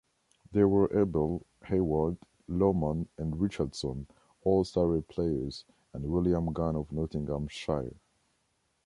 They were Abel, Hayward, Lohmann and Richardson, all Surrey-players, and William Gunn of Nottinghamshire.